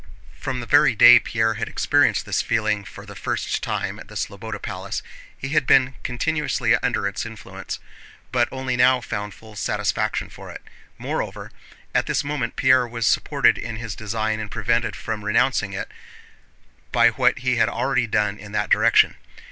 From the very day Pierre had experienced this feeling for the first time at the Slobóda Palace he had been continuously under its influence, but only now found full satisfaction for it. Moreover, at this moment Pierre was supported in his design and prevented from renouncing it by what he had already done in that direction.